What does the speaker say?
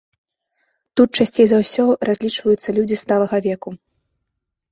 Тут часцей за ўсё разлічваюцца людзі сталага веку.